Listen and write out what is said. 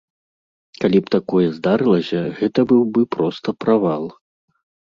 Калі б такое здарылася, гэта быў бы проста правал.